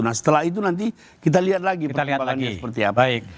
nah setelah itu nanti kita lihat lagi perkembangannya seperti apa